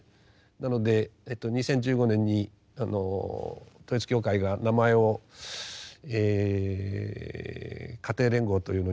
なので２０１５年に統一教会が名前を家庭連合というのに変えるという時にですね